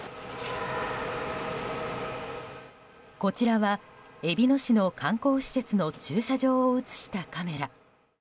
こちらは、えびの市の観光施設の駐車場を映したカメラ。